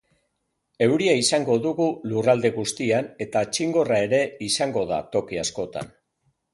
Euria izango dugu lurralde guztian eta txingorra ere izango da toki askotan.